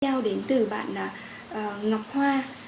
theo đến từ bạn ngọc hoa